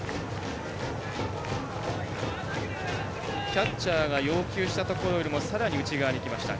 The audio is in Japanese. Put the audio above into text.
キャッチャーが要求したところよりもさらに内側にきました。